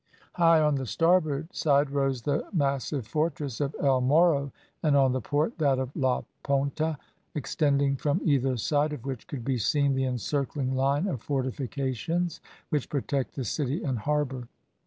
High on the starboard side rose the massive fortress of El Moro and on the port, that of La Ponta extending from either side of which could be seen the encircling line of fortifications which protect the city and harbour.